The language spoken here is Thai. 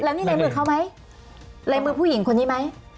แล้วนี่ในมือเขาไหมในมือผู้หญิงคนนี้ไหม